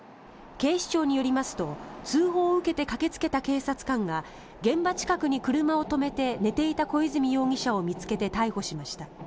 警視庁によりますと通報を受けて駆けつけた警察官が現場近くに車を止めていて寝ていた小泉容疑者を見つけて逮捕しました。